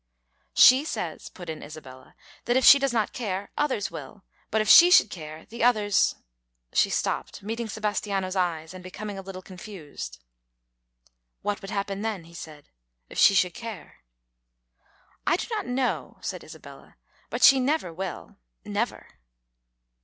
"She says," put in Isabella, "that if she does not care, others will; but if she should care, the others " She stopped, meeting Sebastiano's eyes and becoming a little confused. "What would happen then," he said, "if she should care?" "I do not know," said Isabella; "but she never will never."